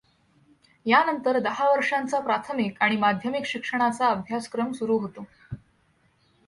यानंतर दहा वर्षांचा प्राथमिक आणि माध्यमिक शिक्षणाचा अभ्यासक्रम सुरू होतो.